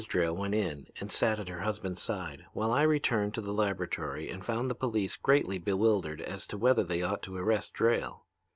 Drayle went in and sat at her husband's side, while I returned to the laboratory and found the police greatly bewildered as to whether they ought to arrest Drayle.